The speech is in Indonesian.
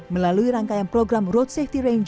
melalui rangkaian program road safety rangers training